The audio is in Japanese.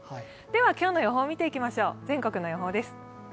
今日の予報を見ていきましょう、全国の予報です。